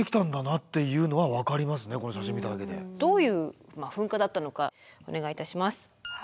どういう噴火だったのかお願いいたします。